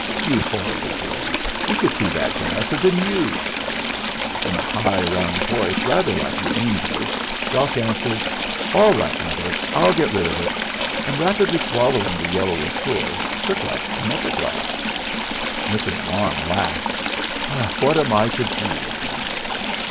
"You horrible boy, you could see that glass has been used." In a high round voice rather like an angel's, Jock answered: "All right, Mother; I'll get rid of it," and rapidly swallowing the yellow liquor, took up another glass. Mrs. Larne laughed. "What am I to do with him?"